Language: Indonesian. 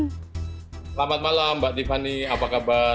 selamat malam mbak tiffany apa kabar